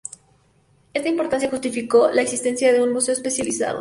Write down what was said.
Está importancia justificó la existencia de un museo especializado.